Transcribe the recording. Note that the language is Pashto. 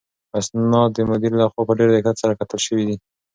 اسناد د مدیر لخوا په ډېر دقت سره کتل شوي دي.